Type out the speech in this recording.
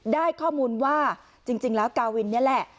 ได้ข้อมูลว่าจริงแล้วกาวินนี่แหละ